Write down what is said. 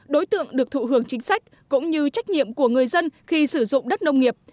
đối tượng được thụ hưởng chính sách cũng như trách nhiệm của người dân khi sử dụng đất nông nghiệp